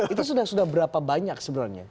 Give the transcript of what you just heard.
itu sudah berapa banyak sebenarnya